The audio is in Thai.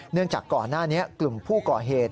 จากก่อนหน้านี้กลุ่มผู้ก่อเหตุ